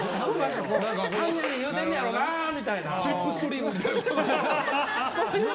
はんにゃに言うてんねやろなみたいな。